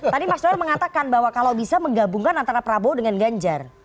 tadi mas doyan mengatakan bahwa kalau bisa menggabungkan antara prabowo dengan ganjar